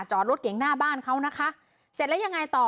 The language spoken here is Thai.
จอดรถเก่งหน้าบ้านเขานะคะเสร็จแล้วยังไงต่อ